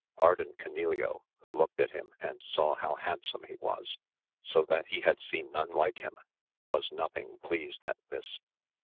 Ardan Canileo, who looked at him and saw how handsome he was, so that he had seen none like him, was nothing pleased at this.